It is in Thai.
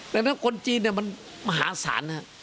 ดังนั้นคนจีนมันมหาศาล